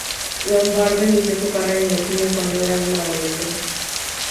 Lombardo inició su carrera en el cine cuando era una adolescente.